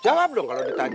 jawab dong kalau ditanya